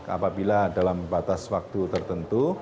apabila dalam batas waktu tertentu